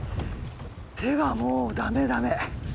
手がもうダメダメ。